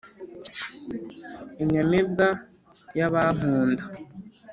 inyamibwa y'abankunda